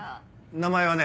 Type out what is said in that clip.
名前はね